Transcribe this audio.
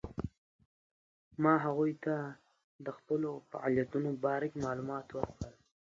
ما هغوی ته د خپلو فعالیتونو په باره کې معلومات ورکړل.